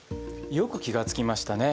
よく気が付きましたね。